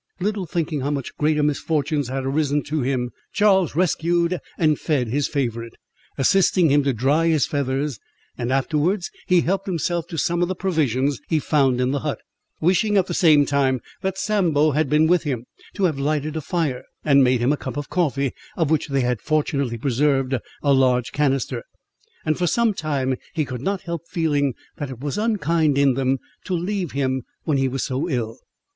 Little thinking how much greater misfortunes had arisen to him, Charles rescued and fed his favourite, assisting him to dry his feathers; and afterwards, he helped himself to some of the provisions he found in the hut, wishing at the same time that Sambo had been with him, to have lighted a fire, and made him a cup of coffee, of which they had fortunately preserved a large canister; and for some time he could not help feeling that it was unkind in them to leave him when he was so ill.